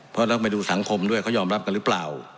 เพราะต้องไปดูสังคมด้วยเขายอมรับกันหรือเปล่า